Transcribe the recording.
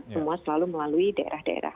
semua selalu melalui daerah daerah